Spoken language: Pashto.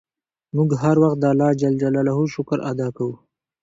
موږ هر وخت د اللهﷻ شکر ادا کوو.